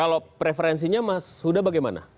kalau preferensinya mas huda bagaimana